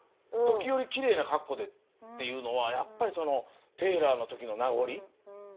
時折きれいな格好でっていうのはやっぱりそのテーラーの時の名残。